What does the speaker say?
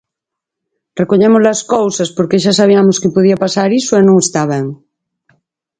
Recollemos as cousas porque xa sabiamos que podía pasar iso e non está ben.